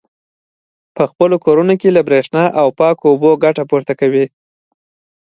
په خپلو کورونو کې له برېښنا او پاکو اوبو ګټه پورته کوي.